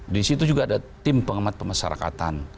disitu juga ada tim pengamat pemasarakatan